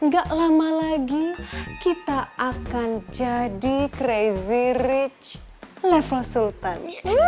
gak lama lagi kita akan jadi crazy rich level sultan